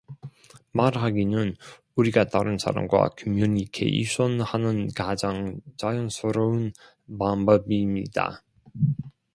말하기는 우리가 다른 사람과 커뮤니케이션 하는 가장 자연스러운 방법입니다.